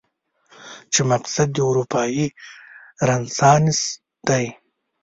چې مقصد دې اروپايي رنسانس دی؟